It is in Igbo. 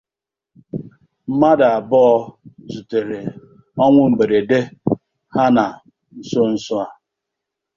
Mmadụ abụọ zutèrè onwụ mberede ha na nsonso a